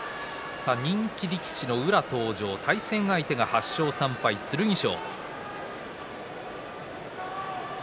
人気力士の宇良登場対戦相手が８勝３敗の剣翔。